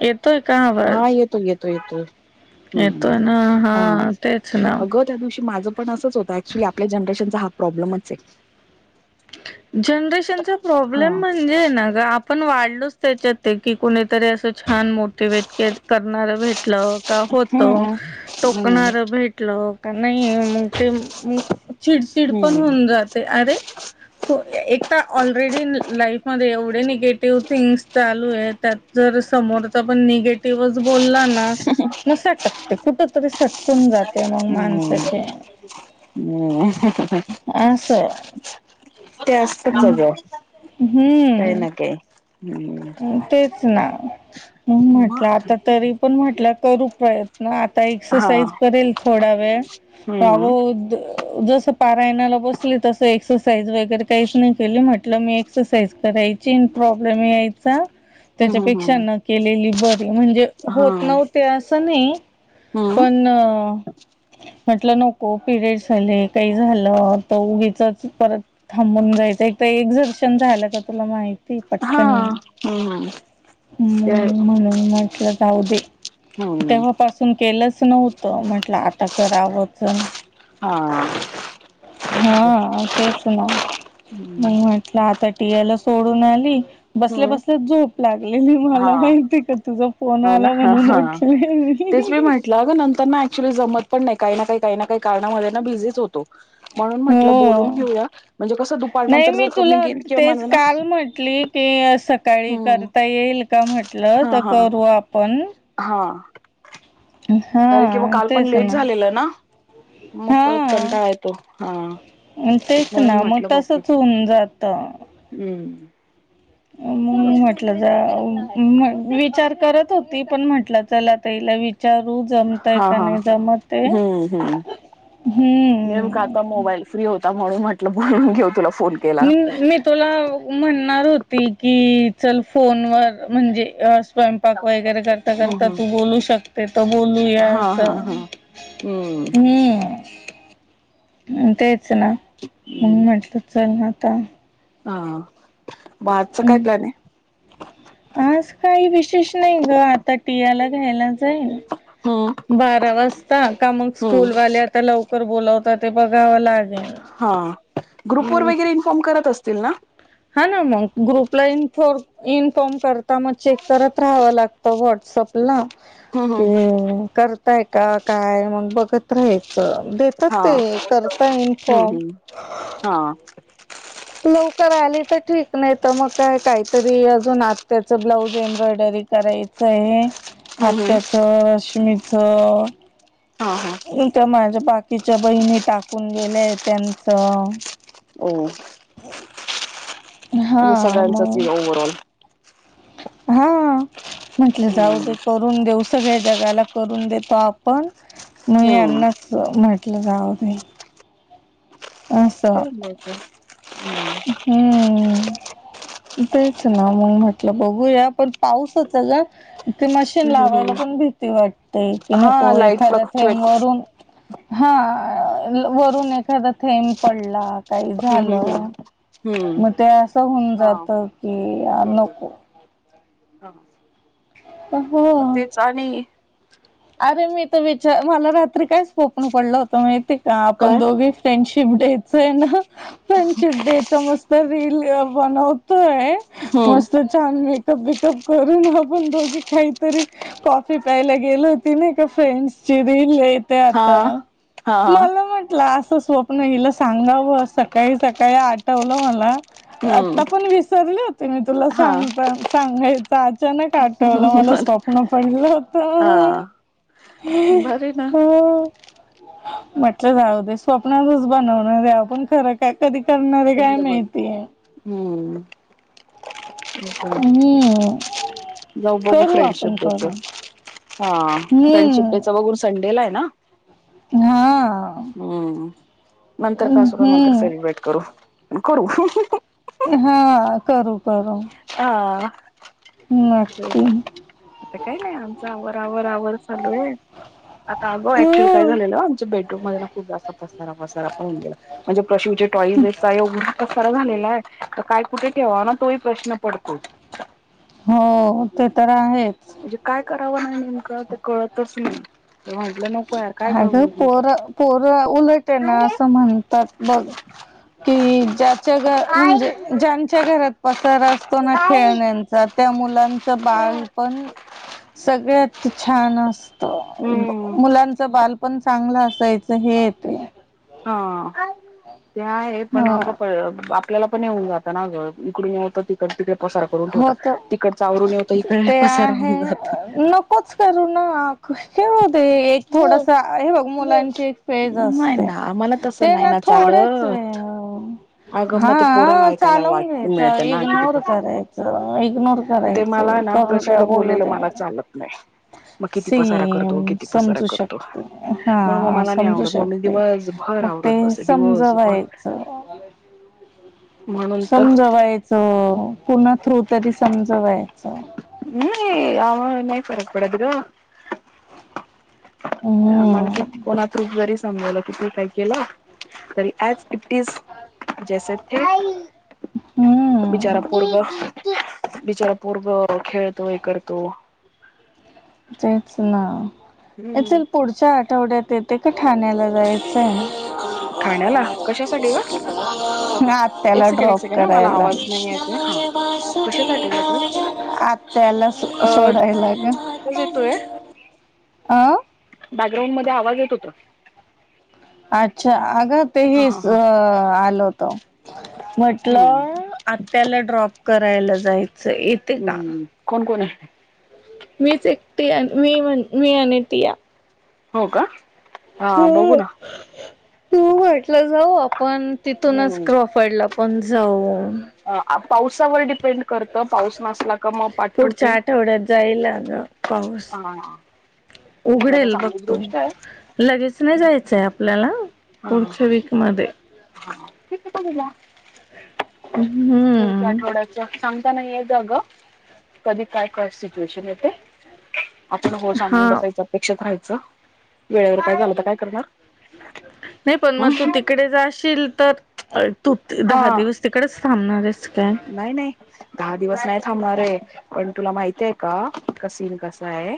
येतोय का हा आवाज येतो, येतो, येतोय. हम्म, येतोय ना हा तेच ना अग त्या दिवशी माझं पण असंच होत ऍक्च्युली आपल्या जनरेशनचा हा प्रॉब्मच आहे. जनरेशनचा हा प्रॉब्लेम म्हणजे ना ग आप पण वाढलोच त्याच्यात ते की कुणीतरी असं छान मो मोटिवेट करणार भेटलं का होत हम्म हम्म टोकणार भेट म्हटलं का नाही मग ते चिडचिड पण हम्म होऊन जाते अरे तो एक तर ऑलरेडी लाईफमध्ये एवढे निगेटिव्ह थिंग्स चालू आहे त्यात जर समोरचा पण निगेटिव्हच बोलला ना तर सटकते कुठ तरी सट सटकुन जाते मग हम्म माणसाचे हम्म [inaudible] अस. ते असतच अग काही ना हम्म काही हम्म. तेच ना मग म म्हटलं आता तरी पण म्हटलं करू प्रयत्न. मग आता हा एक्सरसाईज करेल थोडा वेळ हम्म अग जस पारायणाला बसली तस एक्सरसाईज वगैरे काहीच नाही केली म्हटलं मी एसरसाइज करायची अन प्रॉब्लेम यायचा हम्म त्याच्यापेक्षा हम्म न केलेली बरी म्हणजे हा होत नव्हते असं नाही हम्म पण म्हटलं नको पिरियड्स झाले काही झालं तर उगीचच परत थांबून जायचं एक तर एक झर्शन झालं का तुला माहिती हा, पटकन येऊन हम्म. ते मग म्हणून म्हटलं जाऊ दे हम्म तेव्हापासून केलंच नव्हतं म्हंटलं आता करावंचण हा हा तेच ना हम्म मग वाट म्हटल आता टीयाला सोडून आली बसल्या हम्म बस झोप लागलेली हा मला माहिती का तुझा फोन हो आला म्हणून ओठले मी. म्हटल अग नंतर ना ऍक्च्युली जमत पण नाही काही ना, काही ना, काही कारणामध्ये ना बिझीच होतो. म्हणून म्हटलं बोलून हो घेऊया म्हणजे कसं नाही दुपारनंतर जर का मी तुला गेल किंवा तेच माला ना काल म्हटली की सकाळी हम्म करता येईल का म्हंटलं हा तर हा करू आपण. हा तरी कि मग हा काल पण तेच लेट ना झालेलं ना? मग परत हा कंठाळा येतो, हा. तेच म्हणून ना मग म्हटलं बघू तसच होऊन जात. हम्म. म्हणून म्हटलं अ विचार करत होती पण म्हटलं चला आता ईला विचारू जम तय हा का हा नाही जमते, हम्म हम्म नेमका हम्म. आता मोबाईल फ्री होता म्हणून म्हटलं बोलून घेऊ तुला फोन केला हम मी प [unintelligible] तुला म्हणणार होती की चल फोनवर म्हणजे स्वयं पाक वगैरे करता, हम्म करता हम्म तू बोलू शकते त बोलूया हा अस. हा हा हम्म हम्म. हम. तेच ना. हम्म म्हणून म्हटलं चल आता. हा. म आजच काय हम्म. प्लॅन आहे? आज काही विशेष नाही ग. आता टीयाला घ्यायला- -चय हम्म बारा वाजता. का मग हम्म स्कूलवाले आता लव- -कर बोलावता ते बघावं लागेल. हां. ग्रुप वर वगैरे इन्फॉर्म करत असतील ना? हा ना मग, ग्रुपला इन्फॉर्म - इन्फॉर्म करता. मग चेक करत राहावं लागतं व्हॉट्सअप. ना हम्म कि हम्म करताय का काय मग बघत राहायचं. देतात हा. ते. करता इन्फॉर्म हां. लवकर आली तर ठीक. नाही तर मग काय काहीतरी अजून आत्याचं ब्लाऊज एम्ब्रॉयडरी- करायचं आहे. हम्म हम्म आत्याचं, रश्मीच- हां. हां. इथे माझ्या बाकीच्या बहिणी टाकून गेल्याय त्यांचं. हो. हा. मग- ओव्हर ऑल. हां. म्हटलं जाऊ हम्म दे करून देऊ. सगळ्या जगाला करून देतो आपण. म हम्म. यान्नाच म्हटलं जाऊ दे. अस. लवकर. हम्म. तेच ना. मग म्हटलं बघूया. पाऊसच ए ग. ते मशीन हम्म हम्म लावायला हम्म पण भीती वाटते. की हा नको लाईट एखादा फ्लक्च्युएट थेंब वरून- हां. वरून एखादा थेंब पडला काही हम्म हम्म हम्म झालं- हम्म. म ते असं होऊन हा जात की नको. हा. अहो. म तेच आणि- अरे मी तर विचार, मला रात्री काय स्वप्न पडलं होतं माहितीे का? काय आपण दोघी फ्रेंडशिप डेेत- - च ए ना, फ्रेंडशिप डेचा मस्त रील बनवतोय- हम्म मस्त- छान मेकअप बिकप करून आपण दोघी काहीतरी कॉफी प्यायला गेलो. ते नाही का फ्रेंडची रिल येते हा. आता. हा मला म्हटलं अस स्व- -प्न हिला सांगावं. सकाळी सकाळी आठवलं मला. हम्म आत्ता पण विसरले होते मी. तुला हा सांगता सांगायचं. अचानक आठवलं मला स्व- -प्न पडलं होत. बरी ना. म्हटलं जाऊ दे. स्वप्नातच बनवणार ए आपण खर- काय कधी करणारे काय माहिती? हम्म. [unintelligible] हम्म जाऊ बघू करू आपण फ्रेंडशिप डे च. करू हां. फ्रेंडशिप डेच हम्म बघू संडेला ए ना? हां. हम्म नंतर [inaudible] नंतर सेलिब्रेट करू करू. हा करू करू. हा. नक्की. आता काय नाही आमचं आव आवर आवर चालू आहे. आता अग ऍक्च्युली काय हो झालेलं आमच्या बेडरूम मध्ये ना खूप जास्त पसार पसा सार म्हणजे टाॅईजचा एंवढा पसारा झालेला आहे काय, कुठे ठेवाव ना तो ही प्रशन पडतो. हो ते तर आहेच. म्हणजे काय करावं ना नेमकं ते कळतच नाही. तर म्हटलं नको यार काय अगं ठेवू पोर पोरं उलट आहे ना असं म्हणतात बघ, कि ज्याच्या घर म्हणजे ज्यांच्या घरात पसार असतो ना खेळण्या त्या मुलांच बाळ, पण सगळ्यात छान असत. हम्म मुलांच बाल पण चांगलं असायचं हे येतंय. हा ते आहं पण हा अग प बा आपल्याला पण येऊन जात ना गं इकडून तिकडच तिकडे पसार, ठेव होत तिकड आवरू येतो इकडे पसारा होवून जात. पच करू ना आख खेळूदे एक थोडस हे बघ मुलांची एक फेज नाही असते. ना मला तसं ते नाही ना थोडंच वे चालत अगं मग ते पोराला हा ऐकायला वाट चालून घ्यायच मिळते ना इग्नोर किती पण करा इग्नोर ते करायचं मला ना करू द्या प्रशिवला बोलू बोललेलं द्या. मला चालत नाही मग किती पसारा करतो सेम किती पसारा समजू करतो शकते. म्हणून मग हा मला नाही समजू आवडत मग मी शकते दिवसभर म आवरत ते बसे दिवसभर समजवायचं. म्हणून तर समजवायचं पुन्हा थ्रू तरी समजवायचं. नाई आम्हाला नाही फरक पडत गं. हम्म आम्हाला, कोणातून जरी समजलं की तू काही केलं तरी ऑज इटीज, जैसे थे हम्म बिचारा पोरगं. बिचारा पोरगं खेळतो हे करतो. तेच ना हम्म यचल पुढच्या आ तेवढ्यात येते का ठाण्याला जायचंय, ठाण्याला कशासाठी ग एक आत्याला सेकंड एक ड्रॉप सेकंड मला करायला. आवाज नाही येते हा कशासाठी जाते आत्याला अ आवाज सोडायला गं. पणी. येतोय बॅकग्राउंड मध्ये आवाज येत होता. अच्छा अगं हा हा तेहेच हा अ आल होत. हम्म म्हटलं आत्याला ड्रॉप करायला जायचं आहं येते का? हम्म कोण कोण आहं? मीच एकटी मी म्हण मी आणि टीया. हो का हा बघू हो ना. तू वाटलं जाऊ आपण तिथूनच हम्म क्रॉफर्डला पण जाऊ. पावसावर डिपेंड करत पाऊस नसला त पुढच्या आठवड्यात जाईल अ गं पाऊस. हा बघा तर उघडेल चांगलीच बघतो गोष्ट आहे लगेच नाही जायचय आपल्याला. हां पुढच्या वीक मध्ये पुढच्या हम्म आठवड्यात. सांगता नाही येत अग कधी काय सिच्युएशन येते. आपण हो सांगून हा बसायच अपेक्षीत राहायच वेळेवर काय झाल तर काय करणार? नाही पण मग तू तिकडे जाशील तर तू दहा हा दिवस. तिकडच थांबणारय काय? नाही नाही दहा दिवस नाही थांबणार आहे पण तुला माहिते का कसन कस आहे.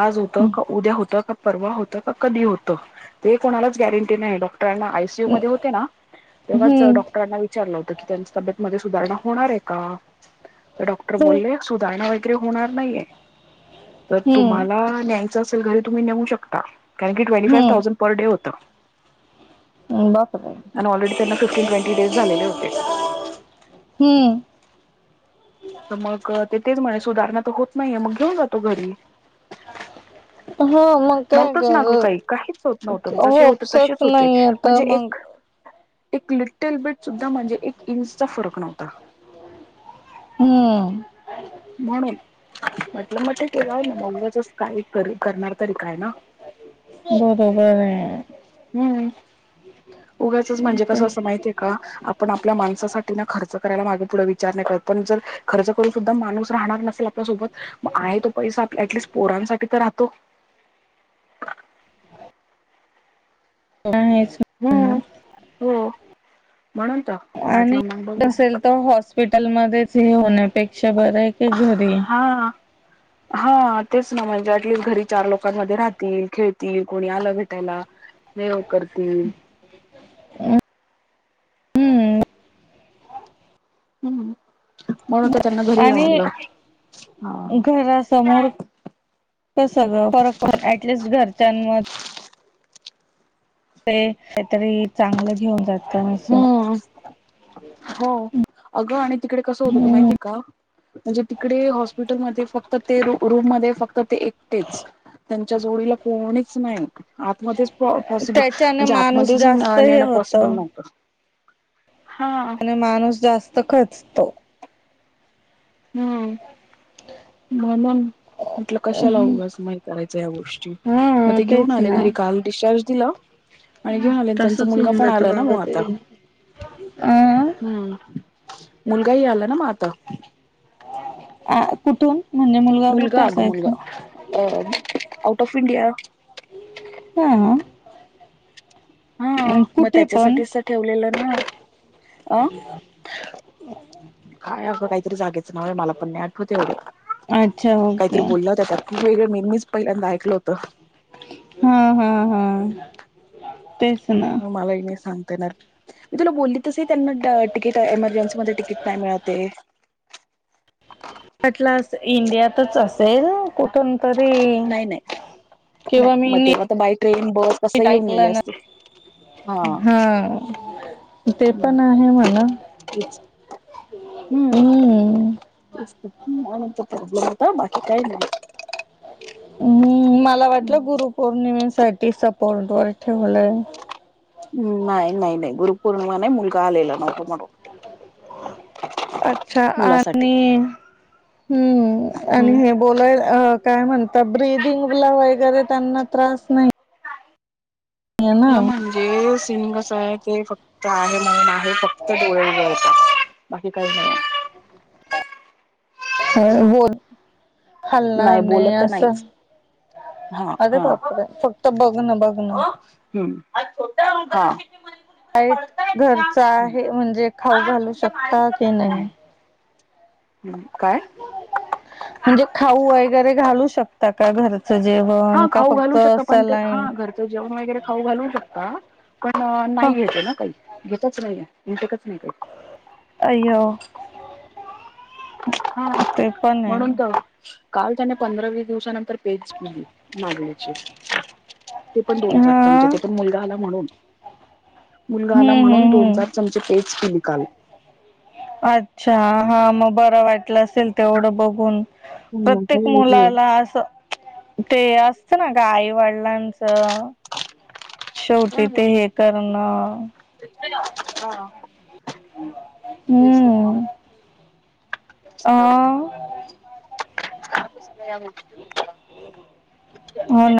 आज होत का उद्या होत का पारवा होत का कधी होत ते कोणालाच गॅरंटी नाही डॉक्टरांना आय सी यू मध्ये होते ना तेव्हाच हम्म डॉक्टर ना विचारल होत त्यांची तब्येत मध्येच. सुधारणा होणार आहे का? तर डॉक्टर बोलले सुधारणा सुधारणा होणार नाहीय जर हम्म तुम्हाला न्यायच असेल घरी तुम्ही नेऊ शकता. कारण की twenty five hmm thousand per day होत. ट्वेंटी डेज झालेले होते हम्म मग ते तेच म्हणे सुधारणा तर होत नाहीये मग घेऊन जातो घरी. हो मग. नव्हतच ना ग काही काहीच होत नव्हत जसे होते तसेच होपसच होते नाहीय तर म्हणजे मग एक एक लिटल बिट सुद्धा म्हणजे एक इंच चा फरक नव्हता. हम्म म्हणून म्हटल मग केलय ना उगचच काही करणार तरी काय ना बरोबर आहे. हम्म उगाचच म्हणजे कस असत माहितीये का आपण आपल्या माणसासाठी ना खर्च करायला मागे पुढे विचार नाही करत पण जर खर्च करून सुद्धा माणूस राहणार नसेल आपल्यासोबत मग आहे तो पैसा आपल्या ऍटलिस्ट पोरांसाठी तर राहतो. काय अजून हम्म हो म्हणून तर. आणि म्हटलं मग बघू नसेल तर हॉस्पिटलमध्येच हे होण्यापेक्षा बरय हां हा तेच ना म्हणजे ॲटलिस्ट घरी चार लोकांमध्ये राहतील खेळतील कोणी आल भेटायला. जेवण करतील. हम्म म्हणून तर त्यांना घरी आणि आणल. कस ग फरक पडतो ऍटलिस्ट घरच्यांमध्ये ते काहीतरी चांगल घेऊन जातील. हम्म हो अग आणि तिकडे कस होत होत माहितीये का? म्हणजे तिकडे हॉस्पिटलमध्ये फक्त ते रूम मध्ये फक्त ते एकटेच. त्यांच्या जोडीला कोणीच नाही आतमध्येच पॉसिबल त्याच्याने म्हणजे माणूस आतमध्येच जास्त हे नेण होत पॉसिबल आणि नव्हत. माणूस जास्त खचतो. हम्म. म्हणून म्हटल कशाला उगच नाही करायच्या या गोष्टी मग हा ते घेऊन तेच आले ना घरी काल डिस्चार्ज दिला. आणि घेऊन आले, त्यांचा तसच मुलगा होऊन पण जातं आला ना बाबा मग आता. ते अं हम्म, मुलगाही आला ना म आता अं कुठून? म्हणजे मुलगा कुठे असायचा? अं आऊट ऑफ इंडिया हा? हा मग कुठे पण? त्याच्यासाठीच तर ठेवलेलं नं, अं काय असं काईतरी जागेचं नाव मला, मला पण नाई आठवत एवढं, अच्छा काईतरी ओके बोलल्या होत्या त्या [unintelligible] मी मीच पहिल्यांदा ऐकलं होतं. हा हा हा, तेच ना. म मलाही नाई सांगता येणार. मी तुला बोलली तसंही त्यांना ट टिकिट एमर्जन्सी मध्ये टिकीट नाही मिळत ए. वाटलं इंडियातच असेल कुठून तरी नाही नाही नाही किंवा मी मग ली तेव्हा तर बाय ट्रेन बस कसं नीट येऊन गेले ऐकलं ना असते हा ते पण आहे म्हणा, तेच हम्म. [unintelligible] बाकी काय नाई. हम्म, मला वाटलं गुरुपौर्णिमेसाठी सपोर्ट वर ठेवलंय. नाई नाई नाई, गुरुपौर्णिमा नाई, मुलगा आलेला नव्हता म्हणून. अच्छा मुलासाठी आणि हम्म आणि हम्म हे बोलाय काय म्हणता, ब्रिदिंगला वगैरे त्यांना त्रास नई. तिथलं म्हणजे सीन कसा ए, ते फक्त आहे म्हणून आ ते फक्त डोळे हालवता बाकी काई नाई अं [unintelligible] हालणार नाही नाई बोलत तर असं नाहीच हा अरे हा. बापरे, फक्त बघणं बघणं हम्म, हा. [unintelligible] घरचं आहे म्हणजे खाऊ शकता की नाही? काय? म्हणजे खाऊ वगैरे घालू शकता का घरचं जेवण, का फक्त सलाईन? तर जेवण वगैरे खाऊ घालू शकता पण ह नाई घेत ना काई, घेतच नाई. [unintelligible] नाई काई. अय्यो! हा ते पण म्हणून तर, आहे काल त्यांनी पंधरा वीस दिवसानंतर पेज पीली, नाचनीची, ते पण दोन चार चमचे हा तर मुलगा आला म्हणून, मुलगा आला हम्म म्हणून हम्म दोन हम्म चार चमचे पेज पीली काल. अच्छा, हा मग बरं वाटलं असेल. तेवढं बघुन, हम्म प्रत्येक मुलाला आसं ते असतं ना गं आईवडिलांचं शेवटी ते हे करणं चला, हा. तेच म्हणून हम्म. अ [unintelligible] [inaudible] हो होत्या. ना!